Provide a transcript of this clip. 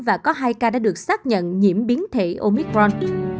và có hai ca đã được xác nhận nhiễm biến thể omicron